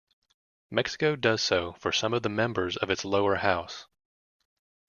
Mexico does so for some of the members of its lower house.